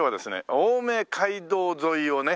青梅街道沿いをね